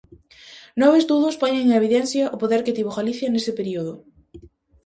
Nove estudos poñen en evidencia o poder que tivo Galicia nese período.